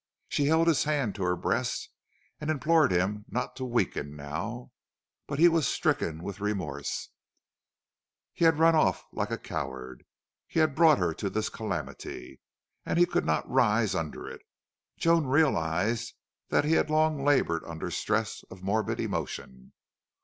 She held his hand to her breast and implored him not to weaken now. But he was stricken with remorse he had run off like a coward, he had brought her to this calamity and he could not rise under it. Joan realized that he had long labored under stress of morbid emotion.